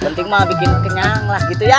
penting bikin kenyang lagi tuh ya